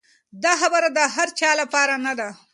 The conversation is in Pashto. دا خبره د هر چا لپاره نه ده.